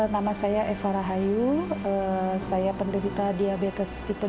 nama saya eva rahayu saya penderita diabetes tipe dua